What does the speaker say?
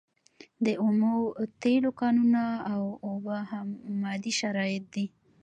د اومو تیلو کانونه او اوبه هم مادي شرایط دي.